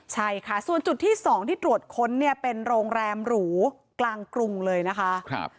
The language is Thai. ใช่ค่ะส่วนจุดที่๒ที่ตรวจค้นเนี่ยเป็นโรงแรมหรูกลางกรุงเลยนะคะ